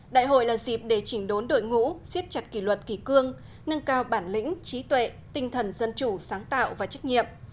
đại hội là dịp để chỉnh đốn đội ngũ xiết chặt kỷ luật kỳ cương nâng cao bản lĩnh trí tuệ tinh thần dân chủ sáng tạo và trách nhiệm